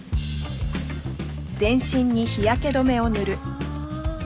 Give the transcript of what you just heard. ああ！